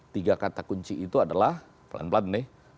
tiga kata kunci itu adalah pelan pelan nih